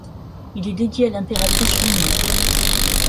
Il est dédié à l'impératrice Jingû.